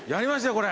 これ。